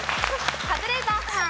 カズレーザーさん。